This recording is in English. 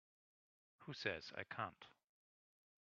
Who says I can't?